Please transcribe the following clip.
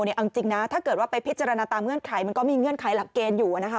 เอาจริงนะถ้าเกิดว่าไปพิจารณาตามเงื่อนไขมันก็มีเงื่อนไขหลักเกณฑ์อยู่นะคะ